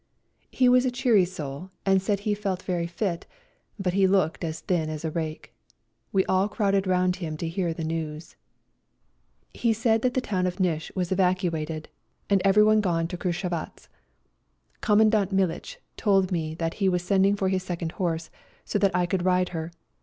He was a cheery soul, and said he felt very fit, but he looked as thin as a rake. We all crowded round him to hear the news. He Ci ^/ A RIDE TO KALABAC 51 said that the town of Nish was evacuated and everyone gone to Krushavatz. Commandant Mihtch told me he was sending for his second horse, so that I could ride her.